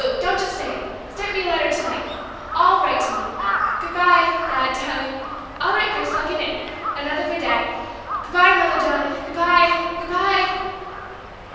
don't just say it start me a letter to night! ALL write to me! Good bye, Dad, darling, all right, Bruce, I'll get right in! another for Dad. Good bye, Mother darling, goodbye! Good bye!"